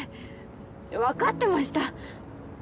わかってました。